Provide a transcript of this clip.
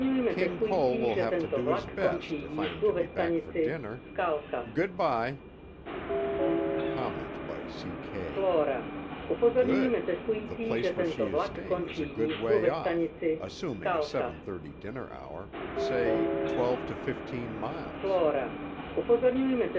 "King Cole will have to do his best, if I am to be back for dinner. Good by." (Comment by C. K.: _Good! The place where she is staying is a good way off, assuming a seven thirty dinner hour; say twelve to fifteen miles.